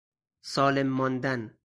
سالم ماندن